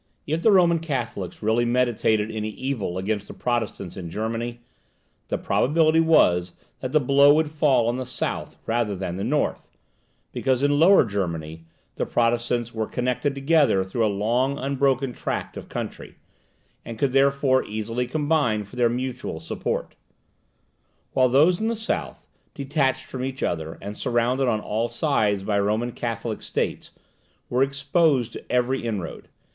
If the Roman Catholics really meditated any evil against the Protestants in Germany, the probability was that the blow would fall on the south rather than the north, because, in Lower Germany, the Protestants were connected together through a long unbroken tract of country, and could therefore easily combine for their mutual support; while those in the south, detached from each other, and surrounded on all sides by Roman Catholic states, were exposed to every inroad.